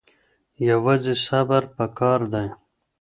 یوازې صبر پکار دی.